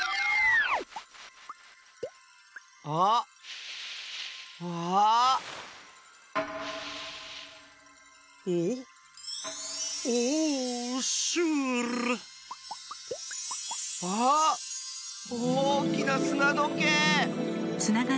あっおおきなすなどけい！